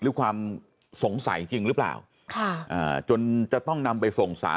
หรือความสงสัยจริงหรือเปล่าค่ะอ่าจนจะต้องนำไปส่งสาร